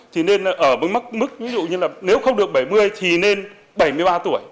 thì nên ở mức ví dụ như là nếu không được bảy mươi thì nên bảy mươi ba tuổi